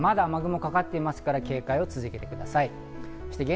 まだ雨雲がかかっているので警戒を続けてください。